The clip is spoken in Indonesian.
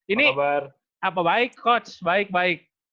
ini apa baik coach baik baik